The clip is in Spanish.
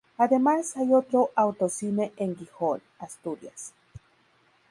Además hay otro autocine en Gijón, Asturias.